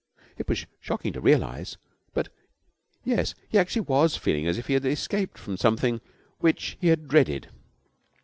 It was shocking to realize, but yes, he actually was feeling as if he had escaped from something which he had dreaded.